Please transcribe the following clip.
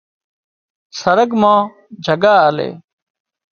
سرڳ مان جڳا آلي